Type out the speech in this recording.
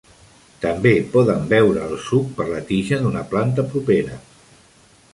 També poden veure el suc per la tija d'una planta propera.